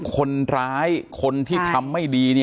การแก้เคล็ดบางอย่างแค่นั้นเอง